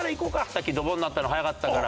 さっきドボンになったの早かったから。